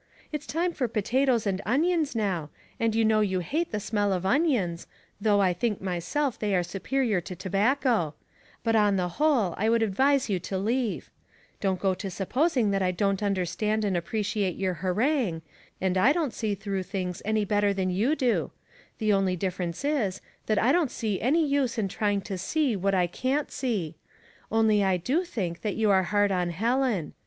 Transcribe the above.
It's time for potatoes and onions now, and you know you hate the smell of onions, though I think myself they are superior to tobacco ; uut on the whole, I would advise you to leave. 24 Household Puzzle$, Don't go to supposing that I don't understand and appreciate your harangue, and I don't see through things any better than you do — the only difference is, that I don't see any use in trying to see wlmt I can't see. Only I do think that you are hard on Helen.